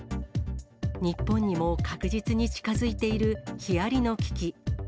日本にも確実に近づいているヒアリの危機。